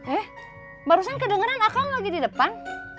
eh barusan kedengeran aku lagi di depan